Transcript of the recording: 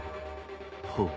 ほう。